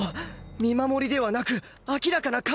見守りではなく明らかな監視！